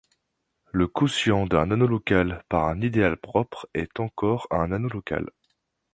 Le quotient d'un anneau local par un idéal propre est encore un anneau local.